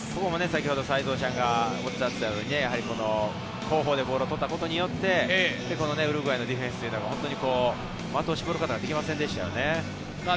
先ほど齊藤さんがおっしゃっていたように、後方でボールを取ったことによって、ウルグアイのディフェンスというのが、的を絞ることができませんでしたよね。